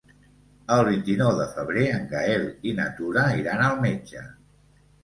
El vint-i-nou de febrer en Gaël i na Tura iran al metge.